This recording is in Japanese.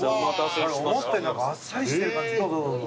思ったよりあっさりしてる感じ。